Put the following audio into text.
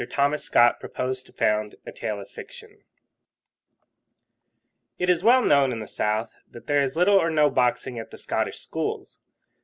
THOMAS SCOTT PROPOSED TO FOUND A TALE OF FICTION It is well known in the South that there is little or no boxing at the Scottish schools.